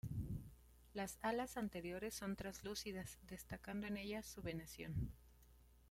Las alas anteriores son translúcidas, destacando en ellas su venación.